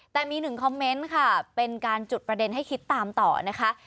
แต่มีหนึ่งคอมเมนต์ค่ะเป็นการจุดประเด็นให้คิดตามต่อนะคะ